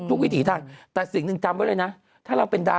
ซื้อกองทงกองทุนก็ไม่เร็วเท่า